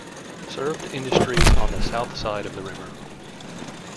Served industries on the south side of the river.